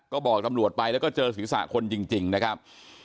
ก็บอกตำรวจไปแล้วก็เจอศีรษะคนจริงนะครับ